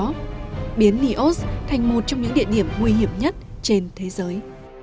nó biến nios thành một trong những địa điểm nguy hiểm nhất trên thế giới